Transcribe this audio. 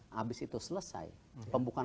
habis itu selesai pembukaan